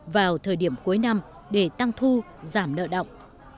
vào thời điểm cuối năm để tăng thu giảm nợ động